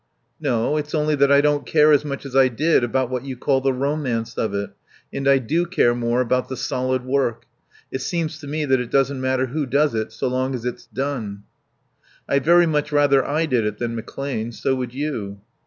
"No. It's only that I don't care as much as I did about what you call the romance of it; and I do care more about the solid work. It seems to me that it doesn't matter who does it so long as it's done." "I'd very much rather I did it than McClane. So would you."